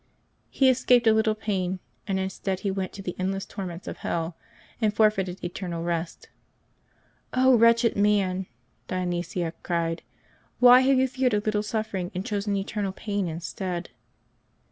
He escaped a little pain, and instead he went to the endless torments of hell, and forfeited eternal rest. '^ wretched man !'' Dionysia cried, " why have you feared a little suffering and chosen eternal pain instead